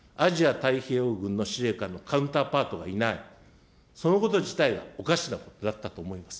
太平洋軍の司令官のカウンターパートがいない、そのこと自体がおかしなことだったと思います。